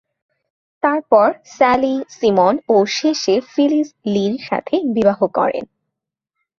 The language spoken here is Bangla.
তারপর স্যালি সিমন ও শেষে ফিলিস লির সাথে বিবাহ করেন।